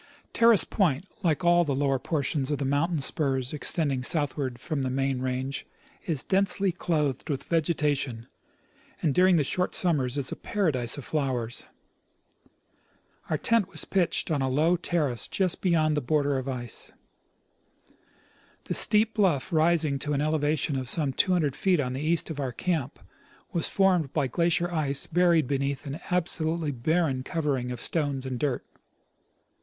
Terrace point, like all the lower portions of the mountain spurs extending southward from the main range, is densely clothed with vegetation, and during the short summers is a paradise of flowers. Our tent was pitched on a low terrace just beyond the border of the ice. The steep bluff rising to an elevation of some 200 feet on the east of our camp was formed by glacial ice buried beneath an absolutely barren covering of stones and dirt.